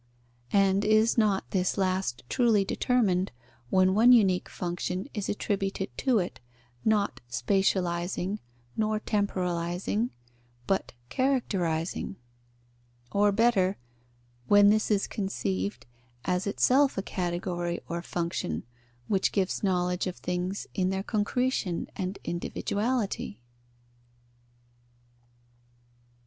And is not this last truly determined, when one unique function is attributed to it, not spatializing nor temporalizing, but characterizing? Or, better, when this is conceived as itself a category or function, which gives knowledge of things in their concretion and individuality?